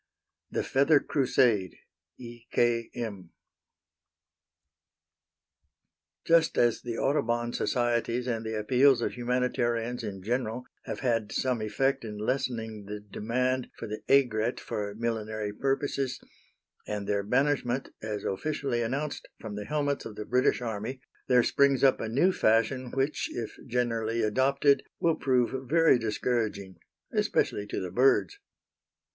THE FEATHER CRUSADE. E. K. M. Just as the Audubon societies and the appeals of humanitarians in general have had some effect in lessening the demand for the aigrette for millinery purposes, and their banishment, as officially announced, from the helmets of the British army, there springs up a new fashion which, if generally adopted, will prove very discouraging especially to the birds.